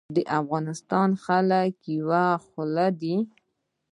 د افغانستان خلک یوه خوله دي